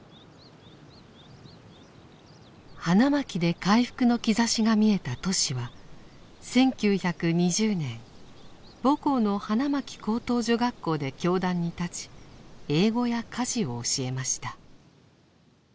花巻で回復の兆しが見えたトシは１９２０年母校の花巻高等女学校で教壇に立ち英語や家事を教えました。